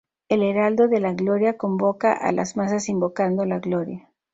El Heraldo de la Gloria convoca a las masas invocando la Gloria.